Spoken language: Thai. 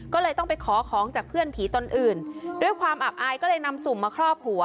ก็เลยต้องไปขอของจากเพื่อนผีตนอื่นด้วยความอับอายก็เลยนำสุ่มมาครอบหัว